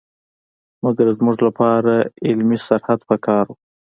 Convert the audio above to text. مګر زموږ لپاره علمي سرحد په کار وو.